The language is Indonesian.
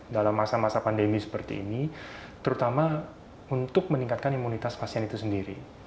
dalam masa masa pandemi seperti ini terutama untuk meningkatkan imunitas pasien itu sendiri